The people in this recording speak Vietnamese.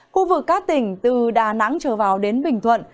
khu vực các tỉnh từ đà nẵng trở vào đến bình thuận